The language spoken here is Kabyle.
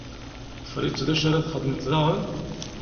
Tefriḍ-tt dacu ara txedmeḍ daɣen?